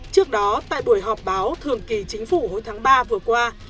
trước đó tại buổi họp báo thường kỳ chính phủ hồi tháng ba vừa qua